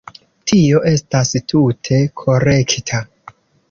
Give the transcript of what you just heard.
Tio estas tute korekta.